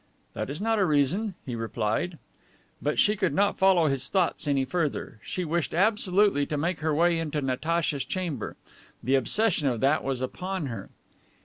"That is not a reason," he replied. But she could not follow his thoughts any further. She wished absolutely to make her way into Natacha's chamber. The obsession of that was upon her.